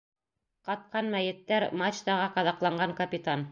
Ҡатҡан мәйеттәр, мачтаға ҡаҙаҡланған капитан.